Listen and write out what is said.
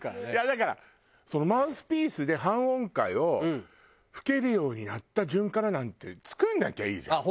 だからマウスピースで半音階を吹けるようになった順からなんて作んなきゃいいじゃん。